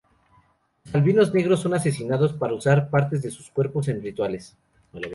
Los albinos negros son asesinados para usar partes de sus cuerpos en rituales.